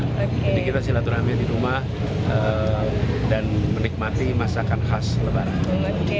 jadi kita silahkan ambil di rumah dan menikmati masakan khas lebaran